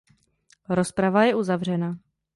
Rozprava je uzavřena.